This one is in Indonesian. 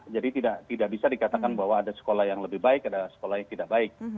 jadi tidak bisa dikatakan bahwa ada sekolah yang lebih baik ada sekolah yang tidak baik